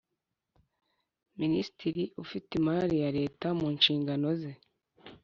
Minisitiri ufite imari ya Leta mu nshingano ze